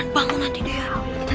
bangun nanti dia